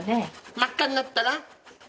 真っ赤になったら？